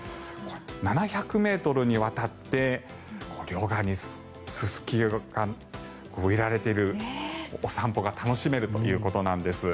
７００ｍにわたって両側にススキが植えられているお散歩が楽しめるということなんです。